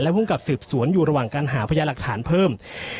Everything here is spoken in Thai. ภูมิกับสืบสวนอยู่ระหว่างการหาพยาหลักฐานเพิ่ม